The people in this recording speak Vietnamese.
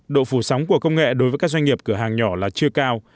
độ phủ sóng của công nghệ đối với các doanh nghiệp cửa hàng nhỏ là chưa cao